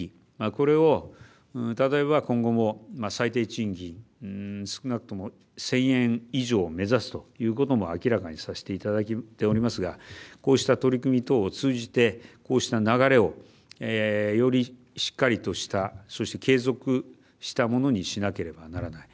これを例えば今後も最低賃金少なくとも１０００円以上を目指すということも明らかにさせていただいておりますがこうした取り組み等を通じてこうした流れをよりしっかりとしたそして継続したものにしなければならない。